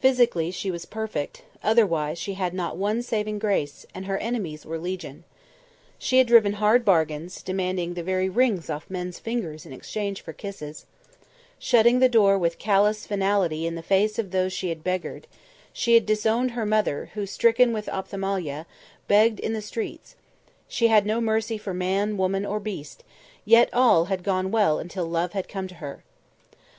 Physically she was perfect; otherwise, she had not one saving grace, and her enemies were legion. She had driven hard bargains, demanding the very rings off men's fingers in exchange for kisses; shutting the door with callous finality in the face of those she had beggared; she had disowned her mother, who, stricken with ophthalmia, begged in the streets; she had no mercy for man, woman or beast, yet all had gone well until love had come to her.